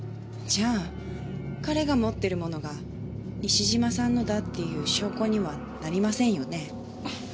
じゃあ彼が持ってるものが西島さんのだっていう証拠にはなりませんよね？